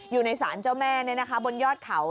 อยู่ในศาลเจ้าแม่บนยอดเขา